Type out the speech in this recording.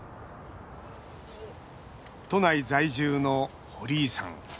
都内在住の堀井さん。